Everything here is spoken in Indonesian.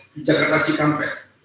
di jakarta cikampek